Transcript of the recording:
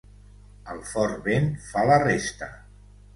El fort vent fa la resta.